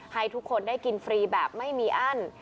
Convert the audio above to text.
ให้ทุกคนได้กินฟรีแบบไม่มีอั้น